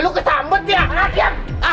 lu kesambet ya